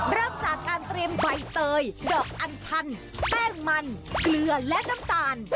เริ่มจากการเตรียมใบเตยดอกอันชันแป้งมันเกลือและน้ำตาล